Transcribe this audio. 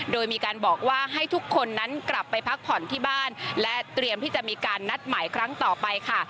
โดยมีการบอกว่าให้ทุกคนนั้นกลับไปพักผ่อนที่บ้านและเตรียมที่จะมีการนัดหมายครั้งต่อไปค่ะ